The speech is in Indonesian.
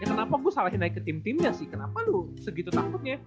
kenapa gue salahin naik ke tim timnya sih kenapa lu segitu takutnya